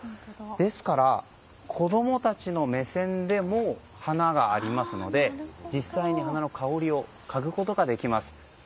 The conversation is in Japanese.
ですから、子供たちの目線でも花がありますので実際に花の香りをかぐことができます。